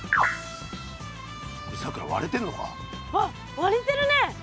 割れてるね。